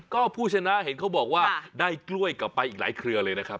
ก็ผู้ชนะเห็นเขาบอกว่าได้กล้วยกลับไปอีกหลายเครือเลยนะครับ